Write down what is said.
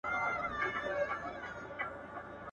• چي بې گدره گډېږي، خود بې سين وړي.